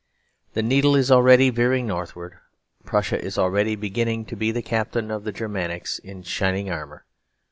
The needle is already veering northward. Prussia is already beginning to be the captain of the Germanics "in shining armour."